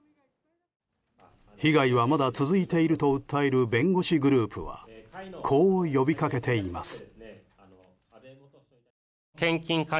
被害はまだ続いていると訴える弁護士グループはこう呼びかけています。